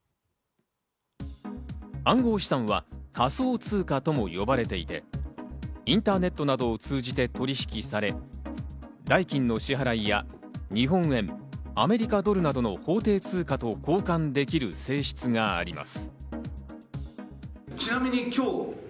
暗号資産は仮想通貨とも呼ばれていて、インターネットなどを通じて取引され、代金の支払いや日本円、アメリカドルなどの法定通貨と交換できる性質があります。